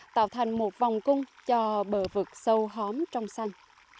tạo thành một vòng cung cho bờ vực sâu hóm trong xanh